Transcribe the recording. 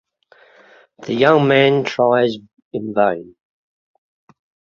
The young man tries in vain.